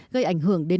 gây ảnh hưởng đến bệnh